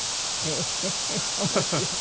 へえー面白い。